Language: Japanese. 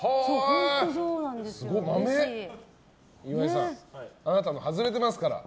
岩井さんあなたの外れてますから。